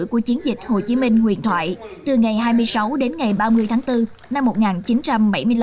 của chiến dịch hồ chí minh huyền thoại từ ngày hai mươi sáu đến ngày ba mươi tháng bốn năm một nghìn chín trăm bảy mươi năm